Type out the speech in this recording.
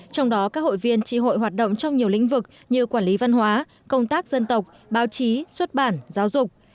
trong đó các hội viên tri hội hoạt động trong nhiều lĩnh vực như quản lý văn hóa công tác dân tộc báo chí xuất bản giáo dục